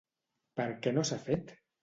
Per què no s'ha fet?